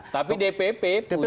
tapi dpp punya